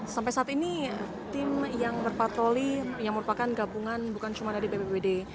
sampai saat ini tim yang berpatroli yang merupakan gabungan bukan cuma dari bppd